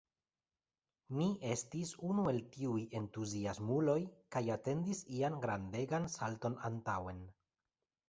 Mi estis unu el tiuj entuziasmuloj kaj atendis ian “grandegan salton antaŭen”.